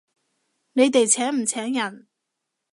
佢哋請唔請人？